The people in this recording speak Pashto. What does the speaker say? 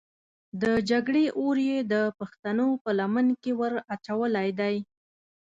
د جګړې اور یې د پښتنو په لمن کې ور اچولی دی.